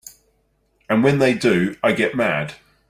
And when they do I get mad.